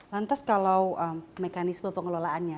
lantas kalau mekanisme pengelolaannya